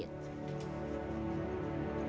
pertama dikonsumsi oleh kepala bidang tanaman pangan